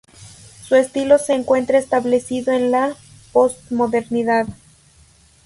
Su estilo se encuentra establecido en la postmodernidad.